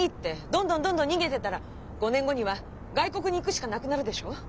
どんどんどんどん逃げてたら５年後には外国に行くしかなくなるでしょ？